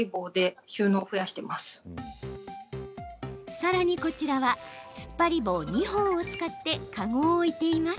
さらに、こちらはつっぱり棒２本を使ってカゴを置いています。